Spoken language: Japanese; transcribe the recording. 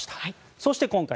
そして今回。